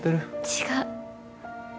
違う。